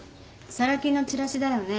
サラ金のチラシだよね？